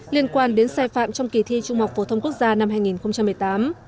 liên quan đến sai phạm trong kỳ thi trung học phổ thông quốc gia năm hai nghìn một mươi tám